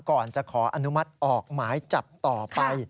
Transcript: ก่อนจะขออนุมัติออกหมายจับต่อไป